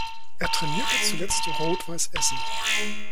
Er trainierte zuletzt Rot-Weiss Essen.